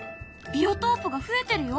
ビオトープが増えてるよ！